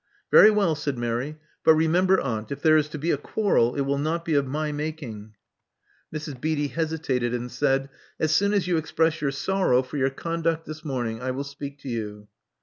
*' Very well," said Mary. But remember, aunt, if there is to be a quarrel, it will not be of my making." Mrs. Beatty hesitated, and said, "As soon as you express your sorrow for your conduct this morning, I will speak to you."